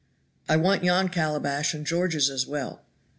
"I want yon calabash and George's as well."